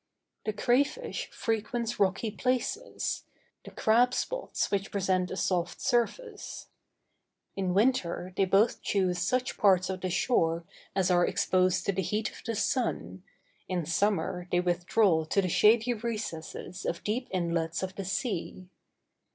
The cray fish frequents rocky places, the crab spots which present a soft surface. In winter they both choose such parts of the shore as are exposed to the heat of the sun, in summer they withdraw to the shady recesses of deep inlets of the sea.